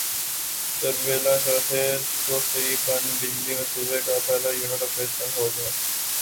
تربیلا چوتھے توسیعی پن بجلی منصوبے کا پہلا یونٹ پریشنل ہوگیا